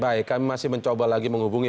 baik kami masih mencoba lagi menghubungi